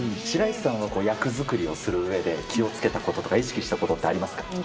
白石さんは役作りをするうえで気をつけたこととか、意識したことってありますか。